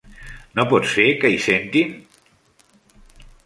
No pots fer que hi sentin?